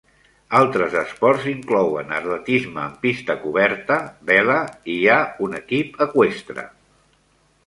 Altres esports inclouen atletisme en pista coberta, vela i hi ha un equip eqüestre.